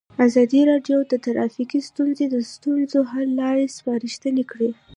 ازادي راډیو د ټرافیکي ستونزې د ستونزو حل لارې سپارښتنې کړي.